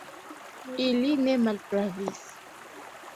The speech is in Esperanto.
Ili ne malpravis.